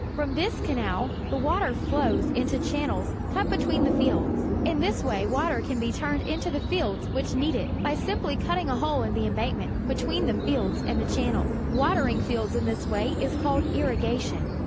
From this canal the water flows into channels cut between the fields. In this way water can be turned into the fields which need it by 22 PUBLIC SCHOOL GEOGRAPHY simply cutting a hole in the embank ment between the fields and the channel. Watering fields in this way is called irrigation.